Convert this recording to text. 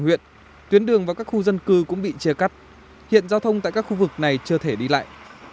huyện tuyến đường và các khu dân cư cũng bị chia cắt hiện giao thông tại các khu vực này chưa thể đi lại